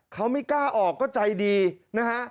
เขาไม่กล้าออกก็ใจดีนะฮะ